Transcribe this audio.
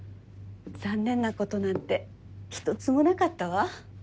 残念なことなんて一つもなかったわ。